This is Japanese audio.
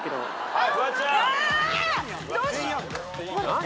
はい！